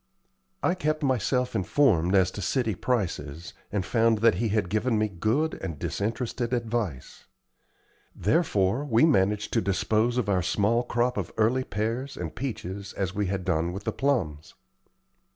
I kept myself informed as to city prices, and found that he had given me good and disinterested advice. Therefore, we managed to dispose of our small crop of early pears and peaches as we had done with the plums.